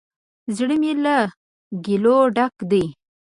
زړه می له ګیلو ډک دی